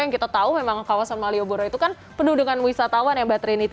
yang kita tahu memang kawasan malioboro itu kan penuh dengan wisatawan ya mbak trinity